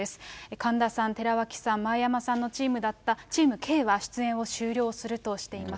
神田さん、寺脇さん、前山さんのチームだったチームＫは、出演を終了するとしています。